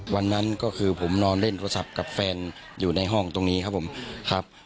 วันนั้นก็คือผมนอนเล่นโทรศัพท์กับแฟนอยู่ในห้องตรงนี้ครับผมครับ